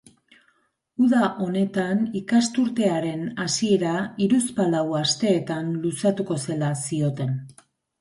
Uda honetan ikasturtearen hasiera hiruzpalau asteetan luzatuko zela zioten.